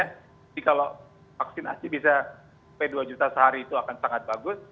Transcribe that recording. jadi kalau vaksinasi bisa sampai dua juta sehari itu akan sangat bagus